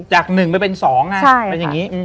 จากหนึ่งไปเป็นสองค่ะเป็นอย่างนี้